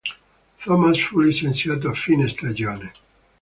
Thomas fu licenziato a fine stagione.